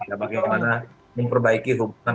bagaimana memperbaiki hubungan